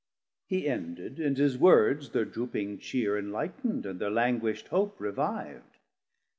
He ended, and his words thir drooping chere Enlightn'd, and thir languisht hope reviv'd.